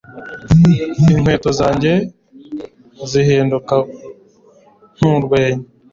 Inkweto zanjye zihinduka nkurwenya